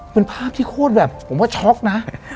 เป็นภาพที่โคตรแบบผมว่าช็อกนะ